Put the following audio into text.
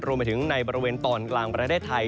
รวมไปถึงในบริเวณตอนกลางประเทศไทย